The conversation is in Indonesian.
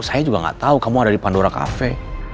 saya juga nggak tahu kamu ada di pandora cafe